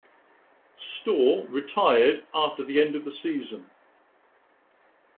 Stohr retired after the end of the season.